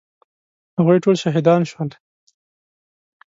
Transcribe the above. هغوی ټول شهیدان شول.